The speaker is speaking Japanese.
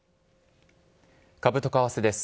株と為替です。